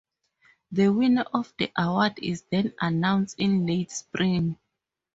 The winner of the award is then announced in late spring.